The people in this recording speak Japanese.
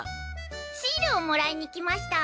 シールをもらいにきました。